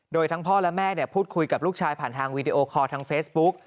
โดยทั้งพ่อและแม่พูดคุยกับลูกชายผ่านทางวีดีโอคอร์ทางเฟซบุ๊ก